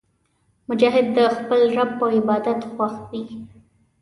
مجاهد د خپل رب په عبادت خوښ وي.